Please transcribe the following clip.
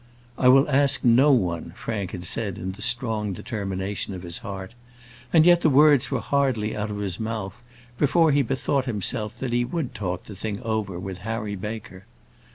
"I will ask no one," Frank had said in the strong determination of his heart; and yet the words were hardly out of his mouth before he bethought himself that he would talk the thing over with Harry Baker.